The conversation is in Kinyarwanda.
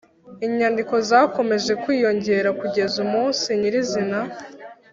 inyandiko zakomeje kwiyongera kugeza umunsi nyirizina